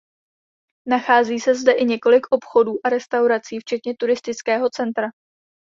Nachází se zde i několik obchodů a restaurací včetně turistického centra.